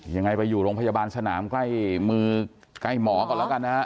ยังไงไปอยู่โรงพยาบาลสนามใกล้มือใกล้หมอก่อนแล้วกันนะฮะ